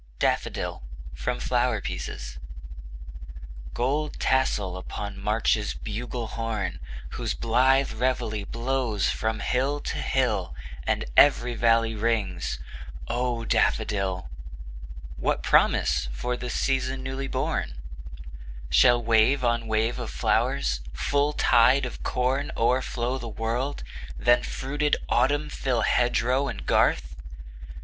From 'Day and Night Songs.' DAFFODIL Gold tassel upon March's bugle horn, Whose blithe reveille blows from hill to hill And every valley rings O Daffodil! What promise for the season newly born? Shall wave on wave of flow'rs, full tide of corn, O'erflow the world, then fruited Autumn fill Hedgerow and garth?